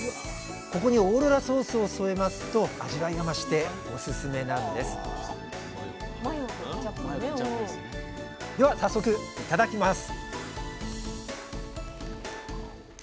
ここにオーロラソースを添えますと味わいが増してオススメなんですでは早速いただきます！